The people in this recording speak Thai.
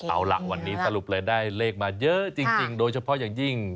เอาล่ะวันนี้สรุปเลยได้เลขมาเยอะจริงโดยเฉพาะอย่างยิ่ง